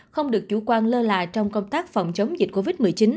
không được chủ quan lơ là trong công tác phòng chống dịch covid một mươi chín